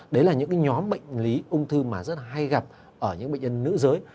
đấy là những nhóm bệnh lý ung thư mà rất hay gặp ở những bệnh nhân nữ giới